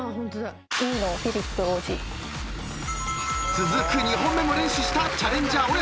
続く２本目も連取したチャレンジャー小山。